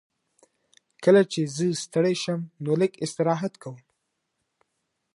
کله چې زه ستړی شم نو لږ استراحت کوم.